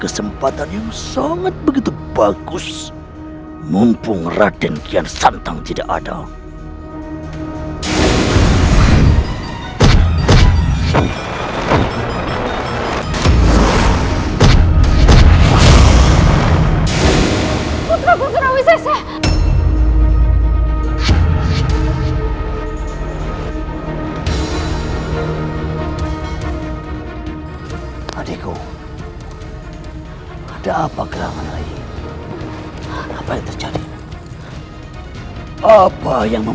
sampai jumpa di video selanjutnya